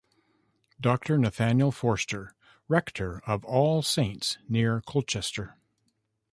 Doctor Nathaniel Forster, rector of All Saints near Colchester.